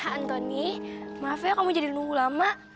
antoni maaf ya kamu jadi nunggu lama